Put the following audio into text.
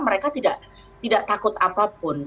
mereka tidak takut apapun